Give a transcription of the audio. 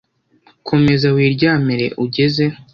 Komeza wiryamire ugeze